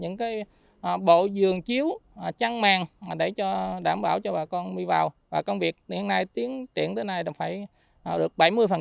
những bộ giường chiếu chăn màng để đảm bảo cho bà con đi vào và công việc tiến triển tới nay được bảy mươi